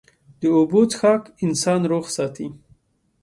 د اوبو څښاک انسان روغ ساتي.